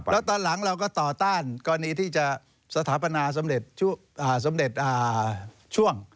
แล้วตอนหลังเราก็ต่อต้านกรณีที่จะสถาปนาสำเร็จสมเด็จช่วง